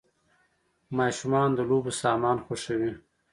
ماشومان د لوبو سامان خوښوي .